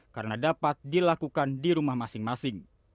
karena dapat dilakukan di rumah masing masing